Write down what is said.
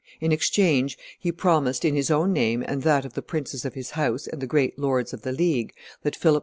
In exchange, he promised, in his own name and that of the princes of his house and the great lords of the League, that Philip II.